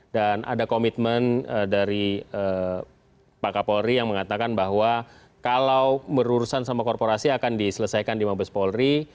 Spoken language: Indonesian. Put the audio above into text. dan ada komitmen dari pak kapolri yang mengatakan bahwa kalau berurusan sama korporasi akan diselesaikan di mabes polri